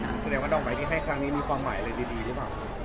แสดงว่าดอกไม้ที่ให้ครั้งนี้มีความหมายอะไรดีหรือเปล่า